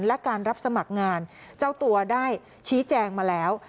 และการรับสมัครงานเจ้าตัวได้ชี้แจงมาแล้ว